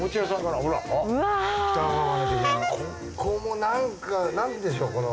ここもなんか何でしょうこの。